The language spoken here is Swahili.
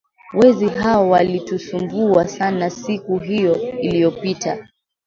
Wezi hao walitusumbua sana siku hiyo iliyopita